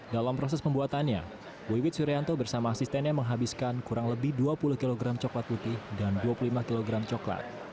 dalam proses pembuatannya wiwit suryanto bersama asistennya menghabiskan kurang lebih dua puluh kg coklat putih dan dua puluh lima kg coklat